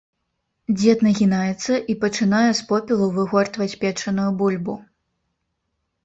Дзед нагінаецца і пачынае з попелу выгортваць печаную бульбу.